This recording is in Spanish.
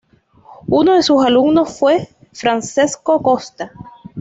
Uno de sus alumnos fue Francesco Costa.